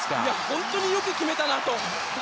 本当に、よく決めたなと！